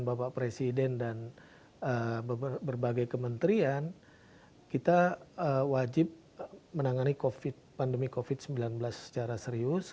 bapak presiden dan berbagai kementerian kita wajib menangani pandemi covid sembilan belas secara serius